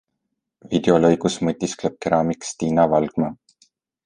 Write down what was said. Videolõigus mõtiskleb keraamik Stina Valgma.